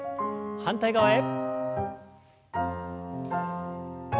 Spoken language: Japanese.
反対側へ。